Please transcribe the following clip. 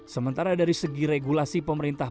sementara dari segi regulasi pemerintah